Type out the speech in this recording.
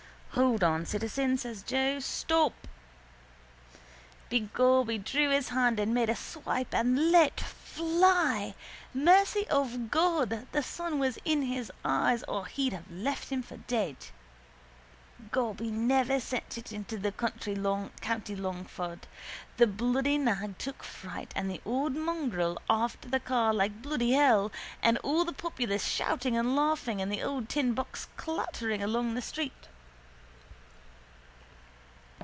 —Hold on, citizen, says Joe. Stop! Begob he drew his hand and made a swipe and let fly. Mercy of God the sun was in his eyes or he'd have left him for dead. Gob, he near sent it into the county Longford. The bloody nag took fright and the old mongrel after the car like bloody hell and all the populace shouting and laughing and the old tinbox clattering along the street.